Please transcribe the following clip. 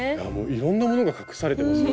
いろんなものが隠されてますよ